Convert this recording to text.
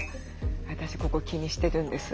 私ここ気にしてるんです。